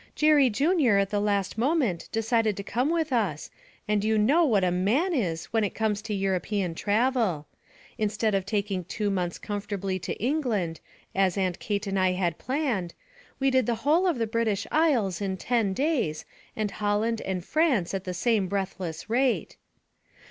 Jerry Junior at the last moment decided to come with us, and you know what a man is when it comes to European travel. Instead of taking two months comfortably to England, as Aunt Kate and I had planned, we did the whole of the British Isles in ten days, and Holland and France at the same breathless rate.